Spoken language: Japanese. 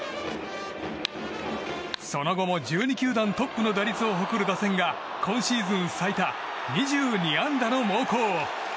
その後も１２球団トップの打率を誇る打線が今シーズン最多２２安打の猛攻。